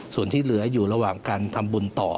ส่วนที่เหลืออยู่ระหว่างการทำบุญต่อ